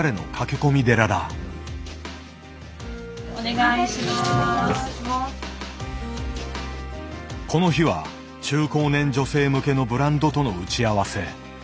この日は中高年女性向けのブランドとの打ち合わせ。